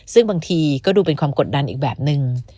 ซึ่งบางทีก็ดูเป็นความกดดันอีกแบบนึง